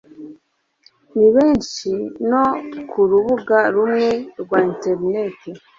ni benshi no ku rubuga rumwe rwa interinete